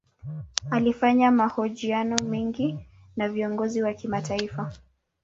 Alifanya mahojiano mengi na viongozi wa kimataifa.